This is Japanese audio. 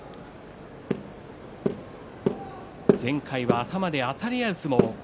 前回は頭であたり合う相撲。